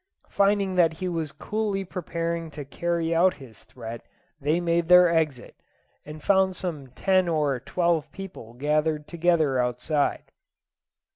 Finding that he was coolly preparing to carry out his threat, they made their exit, and found some ten or twelve people gathered together outside.